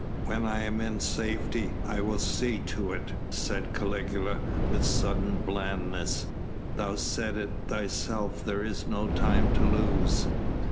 "When I am in safety I will see to it," said Caligula with sudden blandness, "thou saidst it thyself there is no time to lose."